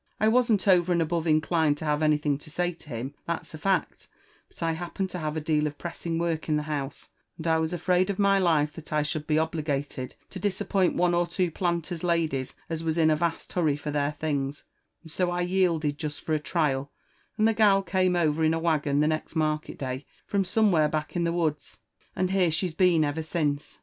I wasn't over and above inclined to have anything to say to him, that's a fact ; but Fhappened to have a deal of pressing work in the house, and I was afraid of my life that I should be obligated to disappoint one or two planters' ladies as was in a vast hurry for their things, and so I yielded just for a trial, and the gal come over in a waggon the next market day from somewhere badk in the woods, and here she's been ever since.